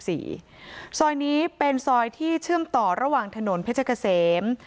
ซอยนี้เป็นซอยที่เชื่อมต่อระหว่างถนนเพชรเกษม